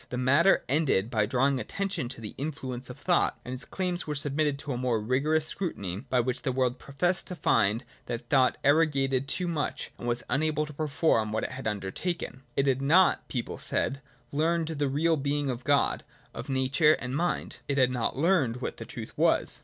The matter ended by drawing attention to the influence of thought, and its claims were submitted to a more rigorous scrutiny, by which the world professed to find that thought arrogated too much and was unable to perform what it had undertaken. It had not — people said — learned the real being of God, of Nature and Mind. It had not learned what the truth was.